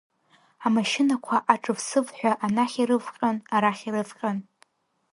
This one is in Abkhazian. Амашьынақәа аҿыв-сывҳәа анахь ирывҟьон, арахь ирывҟьон.